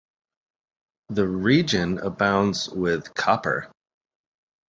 The region abounds with copper.